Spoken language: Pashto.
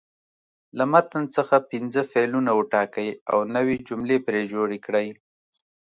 له متن څخه پنځه فعلونه وټاکئ او نوې جملې پرې جوړې کړئ.